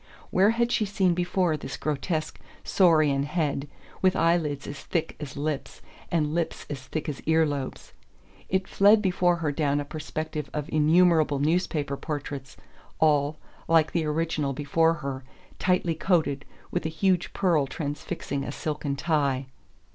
Where had she seen before this grotesque saurian head, with eye lids as thick as lips and lips as thick as ear lobes? It fled before her down a perspective of innumerable newspaper portraits, all, like the original before her, tightly coated, with a huge pearl transfixing a silken tie....